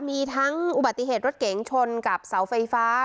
มีทั้งอุบัติเหตุรถเก๋งชนกับเสาไฟฟ้า